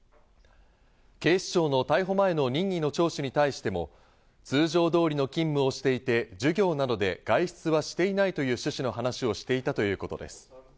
警視庁の逮捕前の任意の聴取に対しても、通常通りの勤務をしていて、授業なので外出はしていないという趣旨の話をしていたということです。